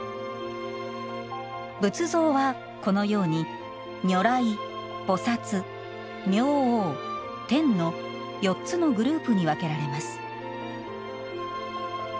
仏像は、このように「如来」「菩薩」「明王」「天」の４つのグループに分けられます。